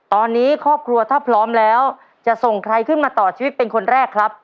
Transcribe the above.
ตอนนี้ครอบครัวถ้าพร้อมแล้วจะส่งใครขึ้นมาต่อชีวิตเป็นคนแรกครับ